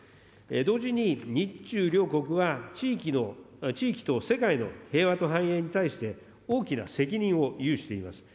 同時に日中両国は地域と世界の平和と繁栄に対して、大きな責任を有しています。